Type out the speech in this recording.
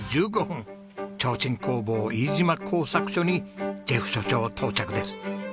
提灯工房飯島工作所にジェフ社長到着です。